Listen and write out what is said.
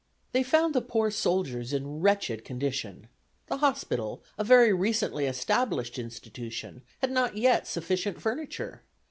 They found the poor soldiers in wretched condition. The hospital, a very recently established institution, had not yet sufficient furniture.